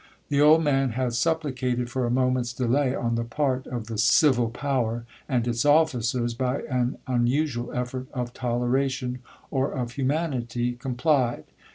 'The old man had supplicated for a moment's delay on the part of the civil power, and its officers, by an unusual effort of toleration or of humanity, complied.